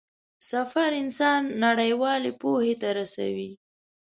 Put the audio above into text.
سفر انسان نړيوالې پوهې ته رسوي.